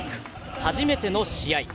初めての試合。